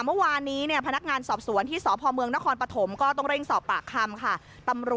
เมื่อวานนี้พนักงานสอบสวนที่สพเมืองนครปฐมก็ต้องเร่งสอบปากคำค่ะ